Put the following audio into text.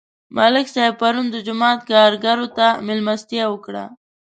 ملک صاحب پرون د جومات کارګرو ته مېلمستیا وکړه.